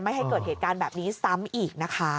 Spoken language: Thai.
ให้เกิดเหตุการณ์แบบนี้ซ้ำอีกนะคะ